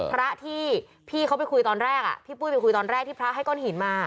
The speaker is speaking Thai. พระที่พี่เขาไปคุยตอนแรกพี่ปุ้ยไปคุยตอนแรกที่พระให้ก้อนหินมา